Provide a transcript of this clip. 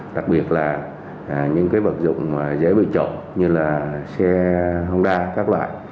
đặc biệt là những vật dụng dễ bị trộn như là xe honda các loại